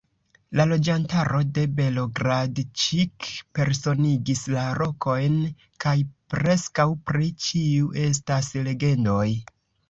La loĝantaro de Belogradĉik personigis la rokojn, kaj preskaŭ pri ĉiu estas legendoj.